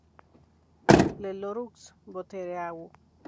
Le Loroux-Bottereau